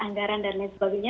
anggaran dan lain sebagainya